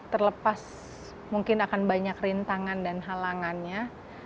terlepas mungkin akan banyak rintangan dan halangannya